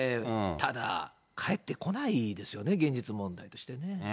ただ、返ってこないですよね、現実問題としてね。